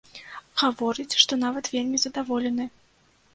Гаворыць, што нават вельмі задаволены.